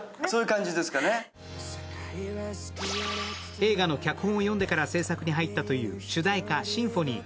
映画の脚本を読んでから制作に入ったという主題歌「Ｓｙｍｐｈｏｎｙ」。